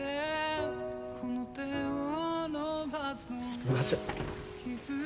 すみません。